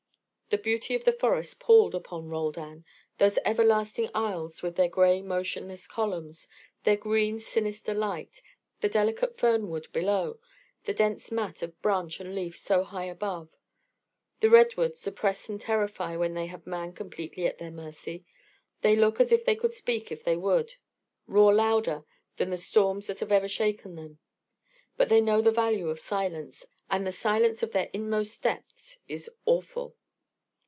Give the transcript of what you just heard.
The beauty of the forest palled upon Roldan: those everlasting aisles with their grey motionless columns, their green sinister light, the delicate fern wood below, the dense mat of branch and leaf so high above. The redwoods oppress and terrify when they have man completely at their mercy. They look as if they could speak if they would, roar louder than the storms that have never shaken them. But they know the value of silence, and the silence of their inmost depths is awful.